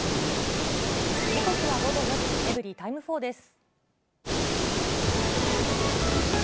時刻は午後４時、エブリィタイム４です。